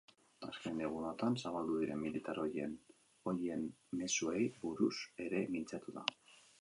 Azken egunotan zabaldu diren militar ohien mezuei buruz ere mintzatu da.